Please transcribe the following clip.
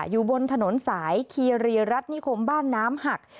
อยู่บนถนนสายคีรีรัฐนิคมบ้านน้ำหัก